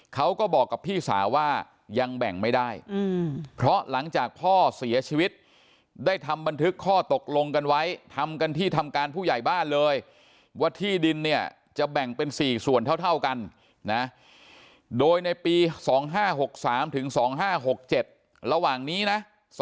เขาก็บอกกับพี่สาวว่ายังแบ่งไม่ได้เพราะหลังจากพ่อเสียชีวิตได้ทำบันทึกข้อตกลงกันไว้ทำกันที่ทำการผู้ใหญ่บ้านเลยว่าที่ดินเนี่ยจะแบ่งเป็น๔ส่วนเท่ากันนะโดยในปี๒๕๖๓ถึง๒๕๖๗ระหว่างนี้นะ